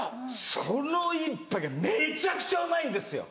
その１杯がめちゃくちゃうまいんですよ！